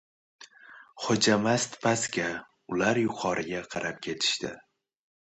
Xo‘jamast pastga, ular yuqoriga qarab ketishdi.